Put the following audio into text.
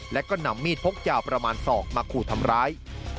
และก็นำมีดพกยาวประมาณศอกมาขู่ทำร้าย